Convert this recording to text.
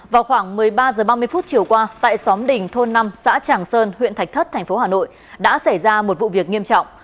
vào khoảng một mươi ba h ba mươi chiều qua tại xóm đình thôn năm xã tràng sơn huyện thạch thất tp hà nội đã xảy ra một vụ việc nghiêm trọng